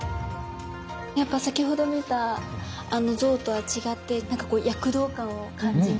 やっぱ先ほど見たあの像とは違ってなんか躍動感を感じます。